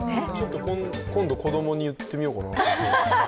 今度子供に言ってみようかな。